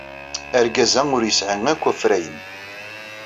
Argaz-a ur yesɛi akk afrayen.